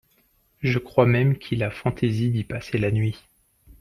Je crois même qu'il a fantaisie d'y passer la nuit.